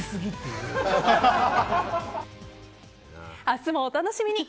明日もお楽しみに。